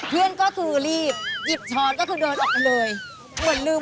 เพื่อนก็คือรีบหยิบช้อนก็คือเดินออกกันเลย